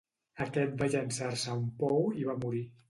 Aquest va llançar-se a un pou i va morir.